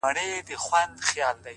د سترگو هره ائينه کي مي ستا نوم ليکلی،